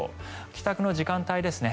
帰宅の時間帯ですね